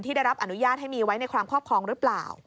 ได้รับอนุญาตให้มีไว้ในความครอบครองหรือเปล่า